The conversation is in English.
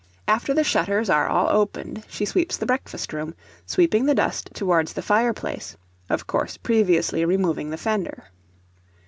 After the shutters are all opened, she sweeps the breakfast room, sweeping the dust towards the fire place, of course previously removing the fonder.